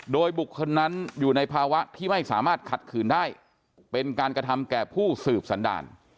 โดยบุคคลนั้นอยู่ในภาวะที่ไม่สามารถขัดขืนได้เป็นการกระทำแก่ผู้สืบสันดาล